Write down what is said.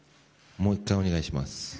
もう１回、お願いします。